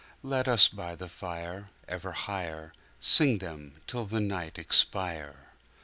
Let us by the fire Ever higherSing them till the night expire!